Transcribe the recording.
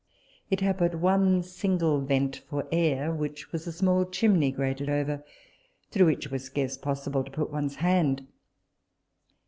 It had but one single vent for air, which was a small chimney grated over, through which it was scarce possible to put one's hand.